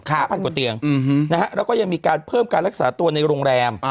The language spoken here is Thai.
ห้าพันกว่าเตียงนะฮะแล้วก็ยังมีการเพิ่มการรักษาตัวในโรงแรม